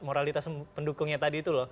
moralitas pendukungnya tadi itu loh